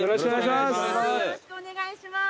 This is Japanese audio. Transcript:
よろしくお願いします。